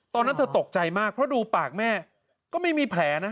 ตอนนั้นเธอตกใจมากเพราะดูปากแม่ก็ไม่มีแผลนะ